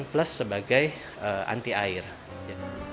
sebelumnya kita menggunakan penyelidikan